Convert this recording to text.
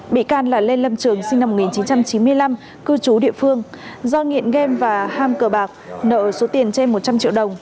bị can là lê lâm trường sinh năm một nghìn chín trăm chín mươi năm cư trú địa phương do nghiện game và ham cờ bạc nợ số tiền trên một trăm linh triệu đồng